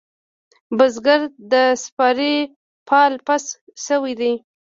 بزگر د سپارې پال پس شوی دی.